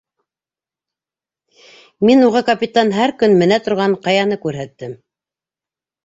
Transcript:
Мин уға капитан һәр көн менә торған ҡаяны күрһәттем.